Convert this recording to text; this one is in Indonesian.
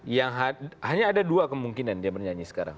yang hanya ada dua kemungkinan dia bernyanyi sekarang